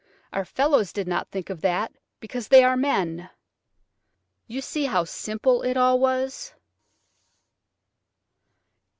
Our fellows did not think of that, because they are men." You see how simple it all was!